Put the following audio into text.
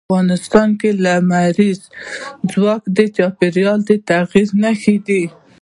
افغانستان کې لمریز ځواک د چاپېریال د تغیر نښه ده.